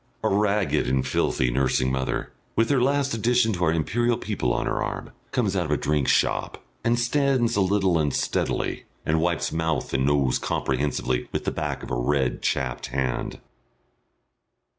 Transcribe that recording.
A ragged and filthy nursing mother, with her last addition to our Imperial People on her arm, comes out of a drinkshop, and stands a little unsteadily, and wipes mouth and nose comprehensively with the back of a red chapped hand....